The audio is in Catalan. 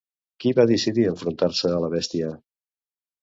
Qui va decidir enfrontar-se a la bèstia?